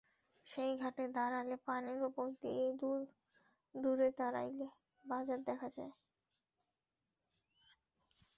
সেই ঘাটে দাঁড়ালে পানির ওপর দিয়ে দূরে তাড়াইল বাজার দেখা যায়।